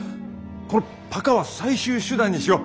このパカは最終手段にしよう。